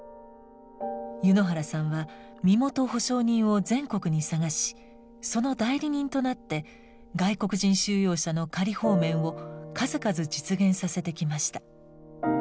柚之原さんは身元保証人を全国に探しその代理人となって外国人収容者の仮放免を数々実現させてきました。